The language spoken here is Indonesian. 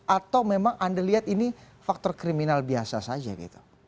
atau memang anda lihat ini faktor kriminal biasa saja gitu